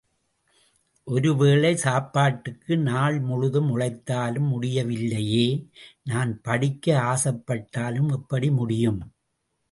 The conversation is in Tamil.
ஒரு வேளை சாப்பாட்டுக்கு நாள் முழுதும் உழைத்தாலும், முடியவில்லையே நான் படிக்க ஆசைப்பட்டாலும் எப்படி முடியும்.